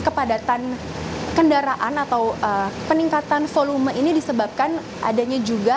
kepadatan kendaraan atau peningkatan volume ini disebabkan adanya juga